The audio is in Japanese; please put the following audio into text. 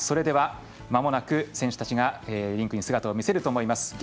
まもなく選手たちがリンクに姿を見せると思います。